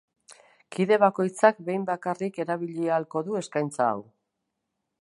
Kide bakoitzak behin bakarrik erabili ahalko du eskaintza hau.